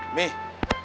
buat jero dia